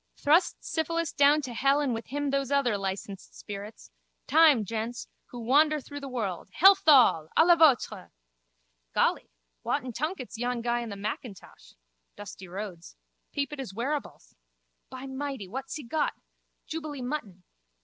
Thrust syphilis down to hell and with him those other licensed spirits. Time, gents! Who wander through the world. Health all! À la vôtre! Golly, whatten tunket's yon guy in the mackintosh? Dusty Rhodes. Peep at his wearables. By mighty! What's he got? Jubilee mutton.